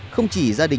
không chỉ gia đình